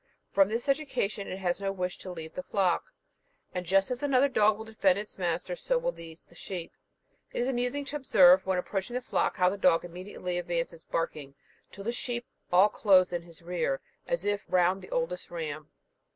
From this education, it has no wish to leave the flock, and just as another dog will defend his master, so will these the sheep. It is amusing to observe, when approaching a flock, how the dog immediately advances barking, and the sheep all close in his rear, as if round the oldest ram.